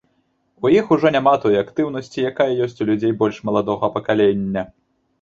У іх ужо няма той актыўнасці, якая ёсць у людзей больш маладога пакалення.